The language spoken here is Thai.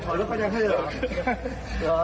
ธอยรถมันเคยอย่างไม่ครบ